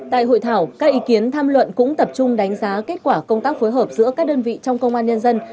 tại hội thảo các ý kiến tham luận cũng tập trung đánh giá kết quả công tác phối hợp giữa các đơn vị trong công an nhân dân